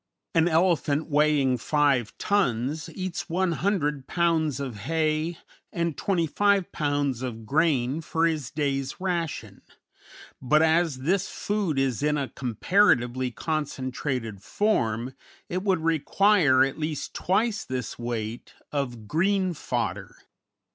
] An elephant weighing 5 tons eats 100 pounds of hay and 25 pounds of grain for his day's ration; but, as this food is in a comparatively concentrated form, it would require at least twice this weight of green fodder.